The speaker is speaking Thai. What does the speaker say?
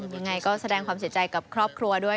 ยังไงก็แสดงความเสียใจกับครอบครัวด้วย